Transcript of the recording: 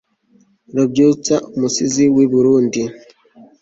Rubyutsa umusizi wi Burundi